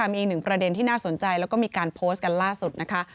มีอีกหนึ่งประเด็นที่น่าสนใจแล้วก็มีการโพสต์กันล่าสุดนะคะ